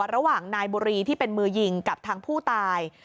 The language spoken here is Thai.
ระหว่างนายบุรีที่เป็นมือยิงกับทางผู้ตาย